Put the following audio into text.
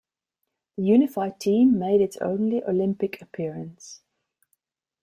The Unified Team made its only Olympic appearance.